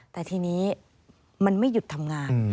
แต่ทีนี้มันไม่หยุดทำงาน